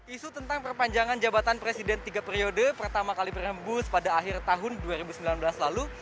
isu tentang perpanjangan jabatan presiden tiga periode pertama kali berembus pada akhir tahun dua ribu sembilan belas lalu